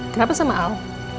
kenapa sama al